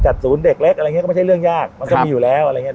ศูนย์เด็กเล็กอะไรอย่างนี้ก็ไม่ใช่เรื่องยากมันก็มีอยู่แล้วอะไรอย่างนี้